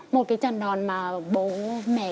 một trận đòn mà bố mẹ